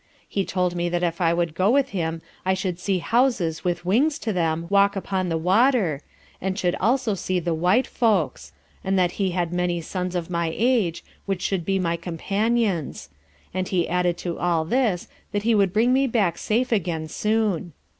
He told me that if I would go with him I should see houses with wings to them walk upon the water, and should also see the white folks; and that he had many sons of my age, which should be my companions; and he added to all this that he would bring me safe back again soon.